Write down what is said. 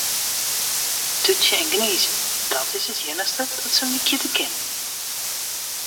Tútsje en gnize, dat is it iennichste dat se lykje te kinnen.